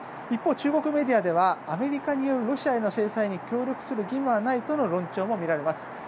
一方、中国メディアではアメリカによるロシアの制裁に協力する義務はないという論調も見られます。